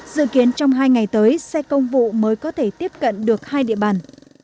dự kiến trong hai ngày tới xe công vụ mới có thể tiếp cận được hai địa bàn